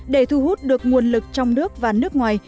để thu hút được nguồn lực trong nước và nước ngoài